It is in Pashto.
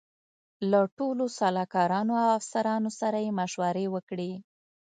له ټولو سلاکارانو او افسرانو سره یې مشورې وکړې.